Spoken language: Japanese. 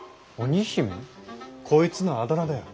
こいつのあだ名だよ。